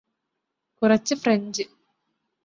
കുറച്ച് ഫ്രഞ്ച്